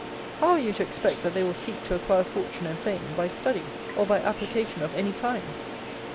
How are you to expect that they will seek to acquire fortune and fame by study or by application of any kind?